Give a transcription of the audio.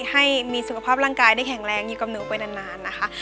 ให้มีสุขภาพร่างกายได้แข็งแรงอยู่กับหนูไปนานนะคะ